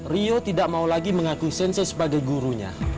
rio tidak mau lagi mengaku sensei sebagai gurunya